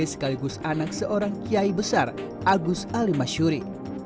sekaligus anak seorang kiai besar agus ali masyuri